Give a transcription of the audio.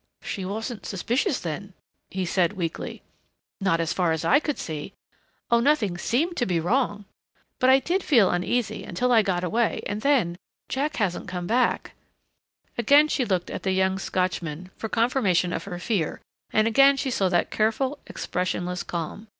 "She wasn't suspicious, then?" he said weakly. "Not as far as I could see. Oh, nothing seemed to be wrong. But I did feel uneasy until I got away and then, Jack hasn't come back " Again she looked at the young Scotchman for confirmation of her fear and again she saw that careful expressionless calm.